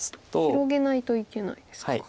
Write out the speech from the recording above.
広げないといけないんですか。